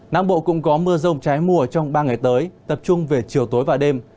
nam bộ cũng có mưa rông trái mùa trong ba ngày tới tập trung về chiều tối và đêm